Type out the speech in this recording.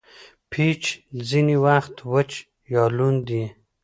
پيچ ځیني وخت وچ یا لوند يي.